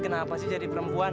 kenapa jadi perempuan